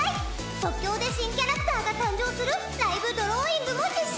即興で新キャラクターが誕生するライブドローイングも実施！